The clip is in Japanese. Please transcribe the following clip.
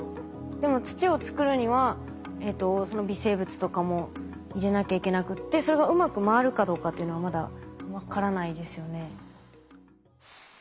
でも土を作るにはその微生物とかも入れなきゃいけなくってそれがうまく回るかどうかっていうのはまだ分からないですよね。